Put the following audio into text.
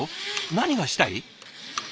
何がしたい？